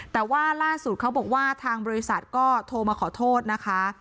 แต่ว่าล่าสุดเขาบอกว่าทางบริษัทก็โทรมาขอโทษนะคะ